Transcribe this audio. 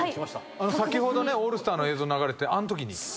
先ほどねオールスターの映像流れてあのときに。